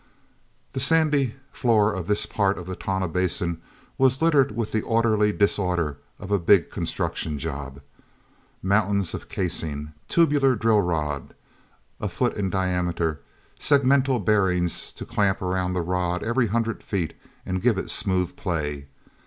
he sandy floor of this part of the Tonah Basin was littered with the orderly disorder of a big construction job—mountains of casing, tubular drill rod, a foot in diameter; segmental bearings to clamp around the rod every hundred feet and give it smooth play.